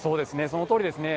そのとおりですね。